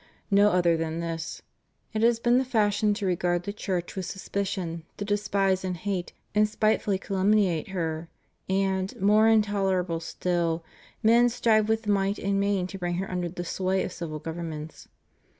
No other than this: it has been the fashion to regard the Church with sus picion, to despise and hate and spitefully calumniate her; and, more intolerable still, men strive with might and main to bring her under the sway of civil govern ments.